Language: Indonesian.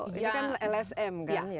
ini kan lsm kan